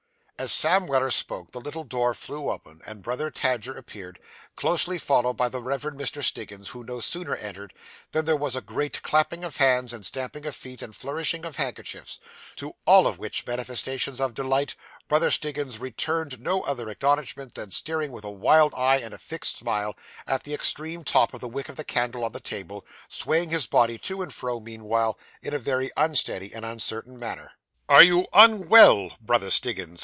As Sam Weller spoke, the little door flew open, and Brother Tadger appeared, closely followed by the Reverend Mr. Stiggins, who no sooner entered, than there was a great clapping of hands, and stamping of feet, and flourishing of handkerchiefs; to all of which manifestations of delight, Brother Stiggins returned no other acknowledgment than staring with a wild eye, and a fixed smile, at the extreme top of the wick of the candle on the table, swaying his body to and fro, meanwhile, in a very unsteady and uncertain manner. 'Are you unwell, Brother Stiggins?